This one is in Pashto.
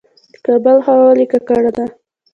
د کابل هوا ولې ککړه ده؟